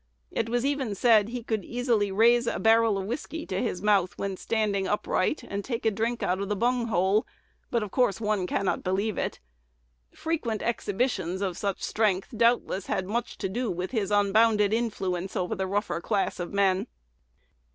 It was even said he could easily raise a barrel of whiskey to his mouth when standing upright, and take a drink out of the bung hole; but of course one cannot believe it. Frequent exhibitions of such strength doubtless had much to do with his unbounded influence over the rougher class of men.